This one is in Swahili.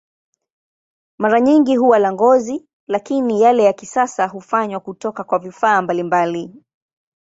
Mara nyingi huwa la ngozi, lakini yale ya kisasa hufanywa kutoka kwa vifaa mbalimbali.